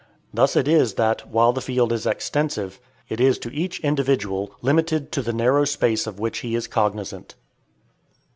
Thus it is that, while the field is extensive, it is to each individual limited to the narrow space of which he is cognizant.